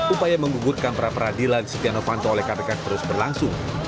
upaya mengugutkan perapradilan setia novanto oleh kpk terus berlangsung